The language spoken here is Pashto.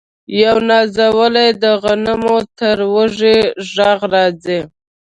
یو نازولی د غنم تر وږو ږغ راځي